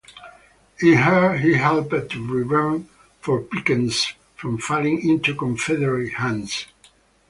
In her he helped to prevent Fort Pickens from falling into Confederate hands.